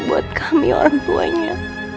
buat kami orang tuanya